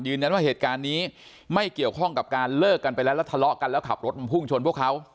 ยืนยันว่าเหตุการณ์นี้ไม่เกี่ยวข้องกับการเลิกกันไปแล้วแล้วทะเลาะกันแล้วขับรถมาพุ่งชนพวกเขา